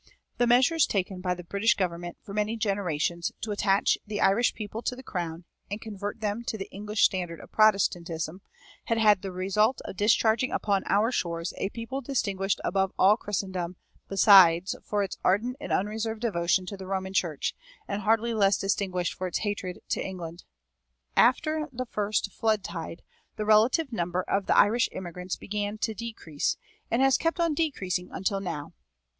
The measures taken by the British government for many generations to attach the Irish people to the crown and convert them to the English standard of Protestantism had had the result of discharging upon our shores a people distinguished above all Christendom besides for its ardent and unreserved devotion to the Roman Church, and hardly less distinguished for its hatred to England. After the first flood tide the relative number of the Irish immigrants began to decrease, and has kept on decreasing until now.